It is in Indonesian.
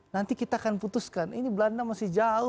nanti kita akan putuskan ini belanda masih jauh